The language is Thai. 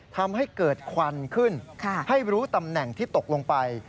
ทำให้เกิดควันขึ้นให้รู้ตำแหน่งที่ตกลงไป